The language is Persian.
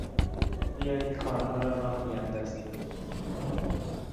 بیایید کارها را راه بیاندازیم!